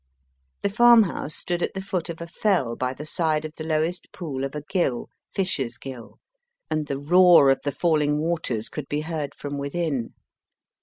The farmhouse stood at the foot of a fell by the side of the lowest pool of a ghyll, Fishers Ghyll, and the roar of ROSSETTI WALKING TO AND FRO falling waters could be heard from within.